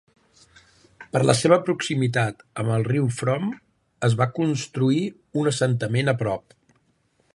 Per la seva proximitat amb el riu Frome, es va construir un assentament a prop.